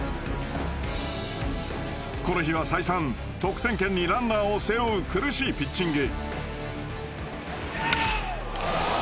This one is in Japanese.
この日は再三得点圏にランナーを背負う苦しいピッチング。